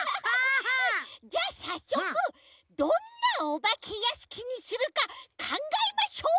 じゃさっそくどんなおばけやしきにするかかんがえましょう！